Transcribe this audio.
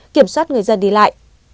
kiểm soát người dân đi lại